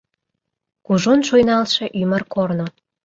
Кужун шуйналше ÿмыр корно